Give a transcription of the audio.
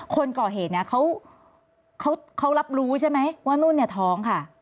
คนก่อเหตุเขารับรู้ใช่ไหมว่านุ่นท้องค่ะ